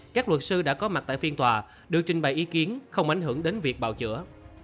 các luật sư đã có mặt tại phiên tòa được trình bày ý kiến không ảnh hưởng đến việc bào chữa